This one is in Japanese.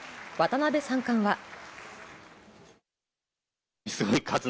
渡辺三冠は。